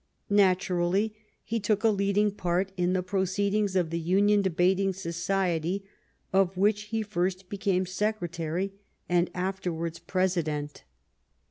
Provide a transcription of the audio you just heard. Natu rally, he took a leading part in the proceedings of the Union Debating Society, of which he first became Secretary and afterwards President.